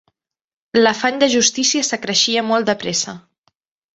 L'afany de justícia s'acreixia molt de pressa.